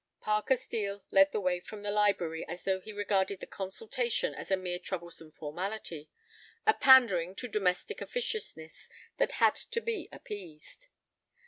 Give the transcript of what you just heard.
Parker Steel led the way from the library as though he regarded the consultation as a mere troublesome formality, a pandering to domestic officiousness that had to be appeased.